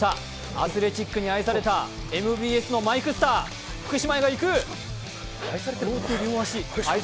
アスレチックに愛されたＭＢＳのマイクスター・福島！